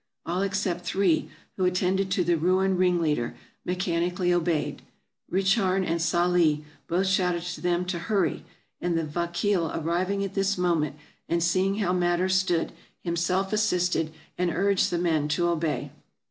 All except three, who attended to the ruined ringleader, mechanically obeyed. Richarn and Sali both shouted to them to " hurry "; and the vakeel arriving at this moment and seeing how matters stood, him self assisted, and urged the men to obey.